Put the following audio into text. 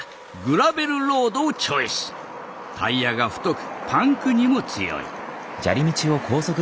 タイヤが太くパンクにも強い。